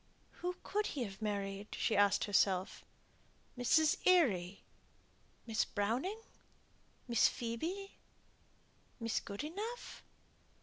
"Who could he have married?" she asked herself. "Miss Eyre? Miss Browning? Miss Phoebe? Miss Goodenough?"